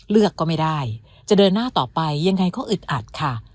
เลือกก็ไม่ได้จะเดินหน้าต่อไปยังไงเขาอึดอัดค่ะ